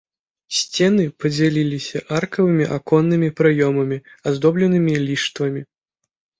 Сцены падзяляліся аркавымі аконнымі праёмамі, аздобленымі ліштвамі.